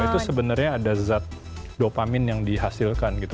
itu sebenarnya ada zat dopamin yang dihasilkan gitu